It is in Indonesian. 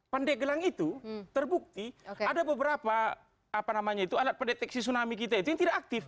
pandegelang itu terbukti ada beberapa alat pendeteksi tsunami kita itu yang tidak aktif